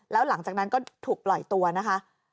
แล้วหลังจากนั้นก็ถูกปล่อยตัวนะคะ